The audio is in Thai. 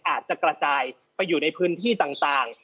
อาจจะกระจายไปอยู่ในพื้นที่ต่าง